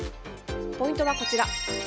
ポイントはこちら。